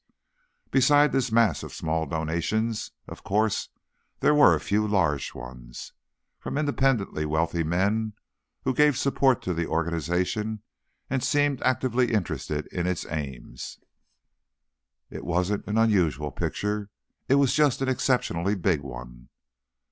Besides this mass of small donations, of course, there were a few large ones, from independently wealthy men who gave support to the organization and seemed actively interested in its aims. It wasn't an unusual picture; it was just an exceptionally big one.